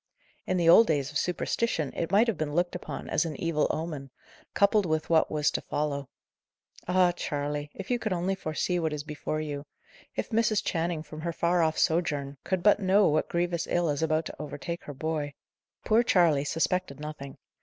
In the old days of superstition it might have been looked upon as an evil omen, coupled with what was to follow. Ah, Charley! if you could only foresee what is before you! If Mrs. Channing, from her far off sojourn, could but know what grievous ill is about to overtake her boy! Poor Charley suspected nothing.